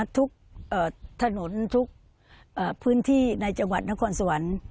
ทุกถนนทุกพื้นที่ในจังหวัดนครสวรรค์